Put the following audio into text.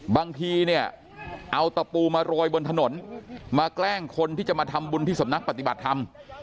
บางทีเนี่ยเอาตะปูมาโรยบนถนนมาแกล้งคนที่จะมาทำบุญที่สำนักปฏิบัติธรรม